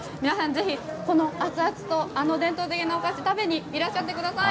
ぜひ、このアツアツとあの伝統的なお菓子食べにいらっしゃってください。